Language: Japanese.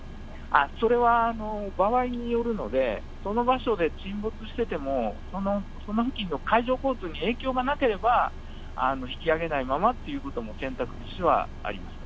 それは場合によるので、その場所で沈没してても、その付近の海上交通に影響がなければ、引き揚げないままっていうことも選択肢としてはあります。